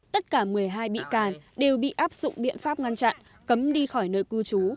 tất cả một mươi hai bị can đều bị áp dụng biện pháp ngăn chặn cấm đi khỏi nơi cư trú